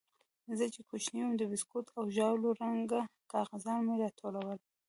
زه چې کوچنى وم د بيسکوټو او ژاولو رنګه کاغذان مې راټولول.